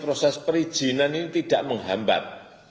proses perizinan ini tidak menghambat